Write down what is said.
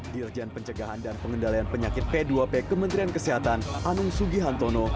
dirjan pencegahan dan pengendalian penyakit p dua p kementerian kesehatan anung sugi hantono